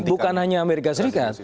bukan hanya amerika serikat